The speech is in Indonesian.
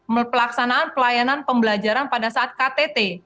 melaksanaan pelayanan pembelajaran pada saat ktt